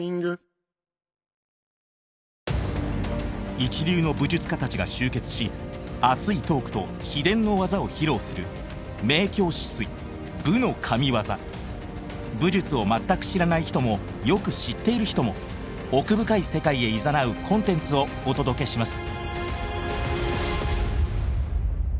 一流の武術家たちが集結し熱いトークと秘伝の技を披露する武術を全く知らない人もよく知っている人も奥深い世界へいざなうコンテンツをお届けします